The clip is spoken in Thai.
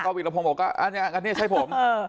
ก็เวียรพงศ์บอกว่าอันเนี้ยอันเนี้ยใช่ผมเออ